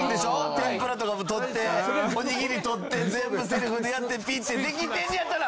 天ぷらとかも取っておにぎり取って全部セルフでやってピッてできてんねやったら。